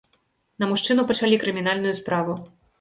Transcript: На мужчыну пачалі крымінальную справу.